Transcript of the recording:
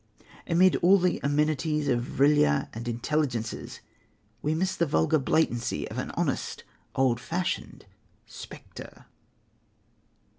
Amid all the amenities of Vrilya and Intelligences, we miss the vulgar blatancy of an honest, old fashioned spectre.